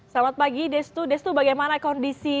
selamat pagi destu destu bagaimana kondisi